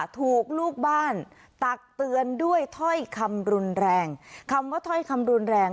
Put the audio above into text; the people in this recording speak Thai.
ถูกลูกบ้านตักเตือนด้วยถ้อยคำรุนแรงคำว่าถ้อยคำรุนแรง